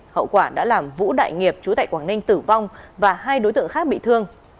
hậu quả đã làm vũ đại nghiệp chú tại quảng ninh tử vong và hai đối tượng khác bị thương